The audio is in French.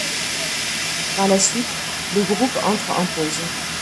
Par la suite, le groupe entre en pause.